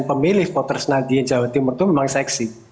pemilih voters nanti di jawa timur itu memang seksi